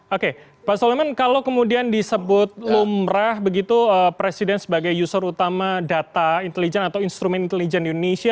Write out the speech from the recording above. oke pak soleman kalau kemudian disebut lumrah begitu presiden sebagai user utama data intelijen atau instrumen intelijen di indonesia